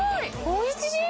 おいしい！